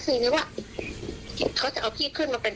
นักศึกนี้ว่าเขาจะเอาพี่ขึ้นมาเป็นพอ